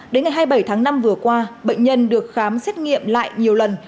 đến ngày hai mươi bảy tháng năm vừa qua bệnh nhân được khám xét nghiệm lại nhiều lần